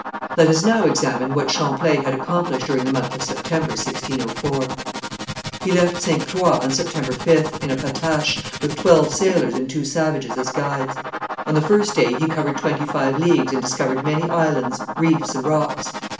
Let us now examine what Champlain had accomplished during the month of September, 1604. He left Ste. Croix on September 5th, in a patache, with twelve sailors and two savages as guides. On the first day he covered twenty five leagues and discovered many islands, reefs and rocks.